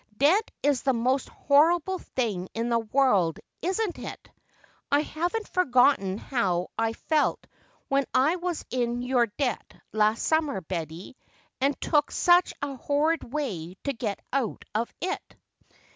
"Debt is the most horrible thing in the world, isn't it? I haven't forgotten how I felt when I was in your debt last summer, Betty, and took such a horrid way to get out of it."